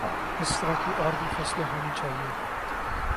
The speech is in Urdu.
اس طرح کی اور بھی فلمیں ہونی چاہئے